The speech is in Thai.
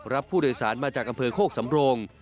รับผู้โดยสารมาจากอำเภอโคกสำโรง